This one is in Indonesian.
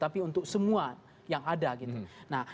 tapi untuk semua yang ada gitu